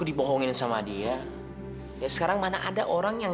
ini alamat ini dimana pak